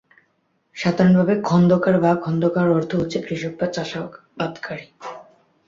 সাধারণ ভাবে খোন্দকার বা খন্দকার অর্থ হচ্ছে কৃষক বা চাষাবাদকারী।